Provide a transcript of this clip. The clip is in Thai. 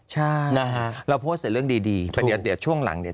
ใช่เราโพสต์เสียเรื่องดีช่วงหลังเนี้ย